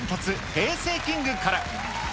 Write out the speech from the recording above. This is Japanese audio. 平成キングから。